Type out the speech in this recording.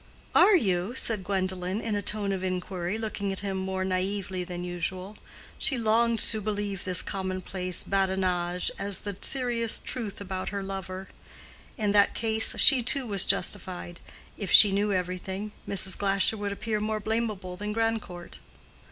"Are you?" said Gwendolen, in a tone of inquiry, looking at him more naively than usual. She longed to believe this commonplace badinage as the serious truth about her lover: in that case, she too was justified. If she knew everything, Mrs. Glasher would appear more blamable than Grandcourt.